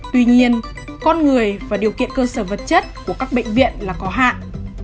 tuy nhiên con người và điều kiện cơ sở vật chất của các bệnh viện là có hạn